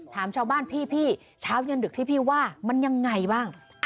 ถามชาวบ้านพี่เช้าเย็นดึกที่พี่ว่ามันยังไงบ้าง